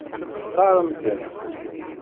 Textaṛem-ten?